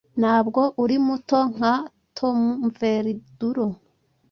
Ntabwo uri muto nka Tomveridulo